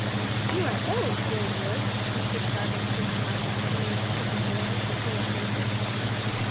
"You are ill, Will Ward," was Dick Darvall's first remark when there was sufficient daylight to distinguish faces.